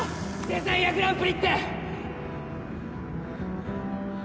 デザイアグランプリって！